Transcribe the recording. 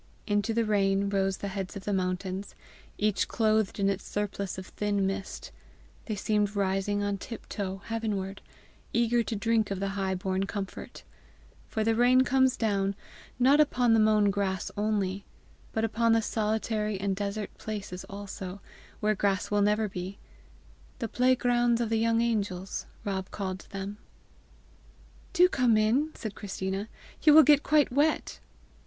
Into the rain rose the heads of the mountains, each clothed in its surplice of thin mist; they seemed rising on tiptoe heavenward, eager to drink of the high born comfort; for the rain comes down, not upon the mown grass only, but upon the solitary and desert places also, where grass will never be "the playgrounds of the young angels," Rob called them. "Do come in," said Christina; "you will get quite wet!"